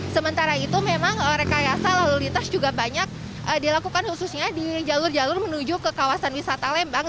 sementara itu memang rekayasa lalu lintas juga banyak dilakukan khususnya di jalur jalur menuju ke kawasan wisata lembang